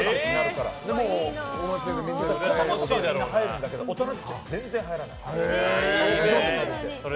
子供たちは入るんだけど大人は全然入らない。